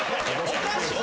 おかしい。